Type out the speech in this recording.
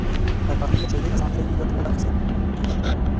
د قافیې له جائزې اسانتیا یې ګټه نه ده اخیستې.